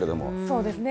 そうですね。